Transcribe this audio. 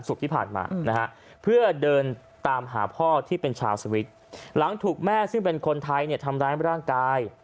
ที่ผ่านมานะฮะเพื่อเดินตามหาพ่อที่เป็นชาวสวิตช์หลังถูกแม่ซึ่งเป็นคนไทยเนี่ยทำร้ายร่างกาย